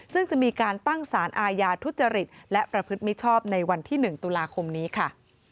ซึ่งจะมีการตั้งสารอาญาทุจริตและประพฤติมิชชอบในวันที่๑ตุลาคมนี้ค่ะ